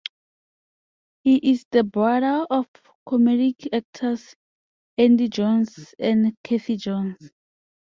He is the brother of comedic actors Andy Jones and Cathy Jones.